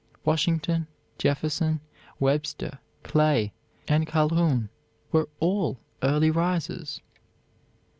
Washington, Jefferson, Webster, Clay, and Calhoun were all early risers.